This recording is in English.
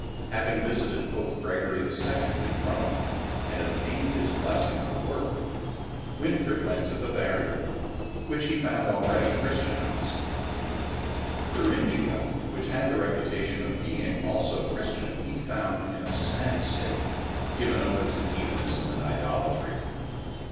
Having visited Pope Gregory IL in Rome and obtained his blessing on the work, Winfrid went to Bavaria, which he found already Christianized. Thuringia, which had the reputation of being also Christian, he found in a sad state, given over to heathenism and idolatry.